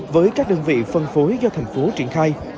với các đơn vị phân phối do thành phố triển khai